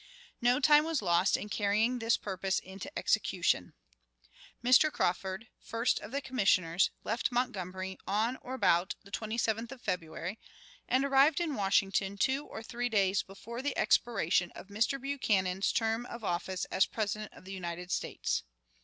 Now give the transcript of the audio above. No time was lost in carrying this purpose into execution. Mr. Crawford first of the Commissioners left Montgomery on or about the 27th of February, and arrived in Washington two or three days before the expiration of Mr. Buchanan's term of office as President of the United States.